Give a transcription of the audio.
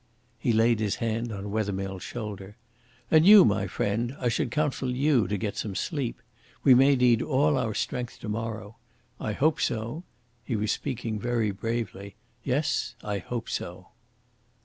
He laid his hand on Wethermill's shoulder. "And you, my friend, I should counsel you to get some sleep. We may need all our strength to morrow. I hope so." He was speaking very bravely. "Yes, I hope so."